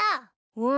うん。